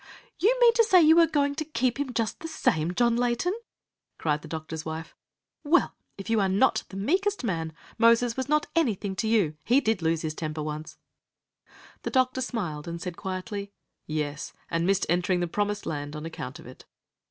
"You mean to say you are going to keep him just the same, John Layton?" cried the doctor's wife. "Well, if you are not the meekest man! Moses was not anything to you! He did lose his temper once." The doctor smiled, and said quietly: "Yes, and missed entering the promised land on account of it.